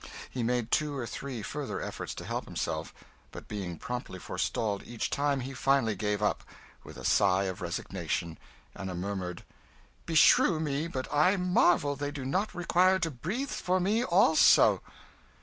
He made two or three further efforts to help himself, but being promptly forestalled each time, he finally gave up, with a sigh of resignation and a murmured "Beshrew me, but I marvel they do not require to breathe for me also!"